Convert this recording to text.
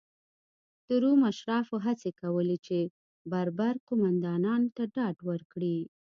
د روم اشرافو هڅې کولې چې بربر قومندانانو ته ډاډ ورکړي.